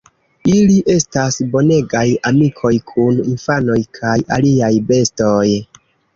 Ili estas bonegaj amikoj kun infanoj kaj aliaj bestoj.